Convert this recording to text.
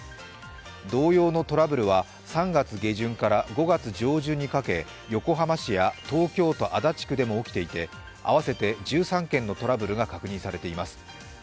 同様のトラブルは３月下旬から５月上旬にかけ横浜市や東京都足立区でも起きていて、合わせて１３件のトラブルが確認されています。